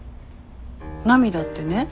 涙ってね